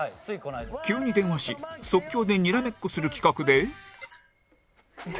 急に電話し即興でにらめっこする企画で